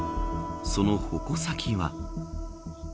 その矛先は。